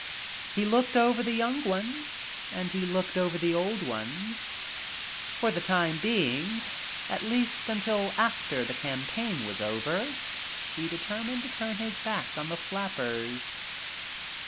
He looked over the young ones and he looked over the old ones. For the time being — at least until after the campaign was over — he determined to turn his back V on the flappers.